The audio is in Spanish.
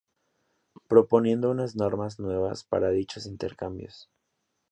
proponiendo unas normas nuevas para dichos intercambios